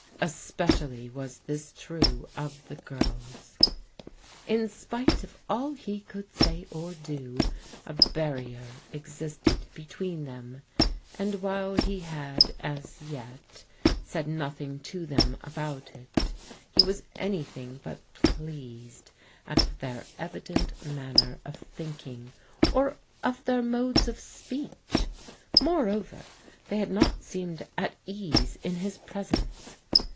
Especially was this true of the girls. In sf of all he could say or do, a barrier existed between the and while he had, as yet, said nothing to them about he was anything but pleased at their evident manner thinking, or of their modes of speech. Moreover, tl 34 THE DISILLUSIONMENT 35 had not seemed at ease in his presence.